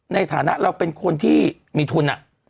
ในฐานะเราเป็นคนที่มีทุน